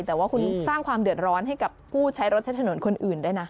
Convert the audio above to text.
แต่ว่าคุณสร้างความเดือดร้อนให้กับผู้ใช้รถใช้ถนนคนอื่นด้วยนะ